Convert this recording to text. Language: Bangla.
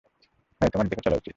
হেই, তোমার দেখে চলা উচিৎ।